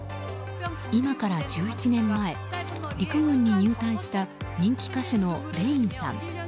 今から１１年前、陸軍に入隊した人気歌手のＲａｉｎさん。